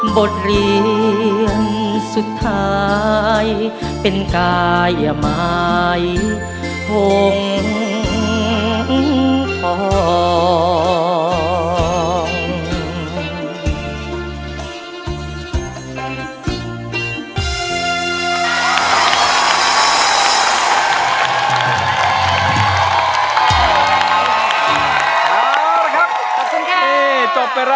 บทเรียนสุดท้ายเป็นกายหมายคงทอง